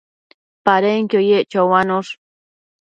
Padenquio yec choanosh